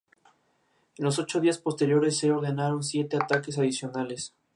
Sus patas son muy pequeñas.